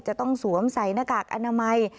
จะต้องสวมใส่หน้ากากอนามัย